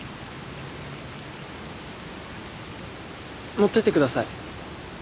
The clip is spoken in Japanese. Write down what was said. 持ってってください